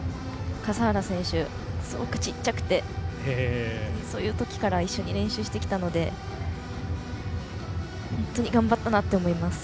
笠原選手、すごくちっちゃくてそういうときから一緒に練習してきたので本当に頑張ったなと思います。